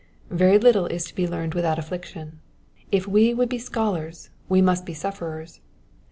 Very little is to be learned without affliction. If we would be scholars we must be sufferers.